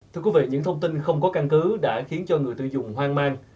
thưa quý vị những thông tin không có căn cứ đã khiến cho người tiêu dùng hoang mang